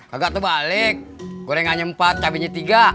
kagak tuh balik gorengannya empat cabainya tiga